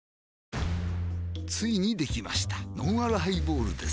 ついにできましたのんあるハイボールです